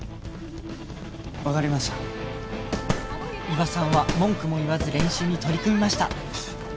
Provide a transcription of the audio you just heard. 伊庭さんは文句も言わず練習に取り組みました